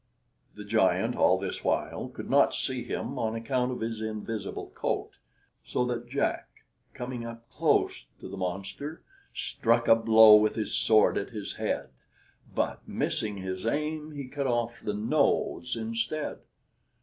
The giant all this while could not see him, on account of his invisible coat, so that Jack, coming up close to the monster, struck a blow with his sword at his head, but, missing his aim, he cut off the nose instead.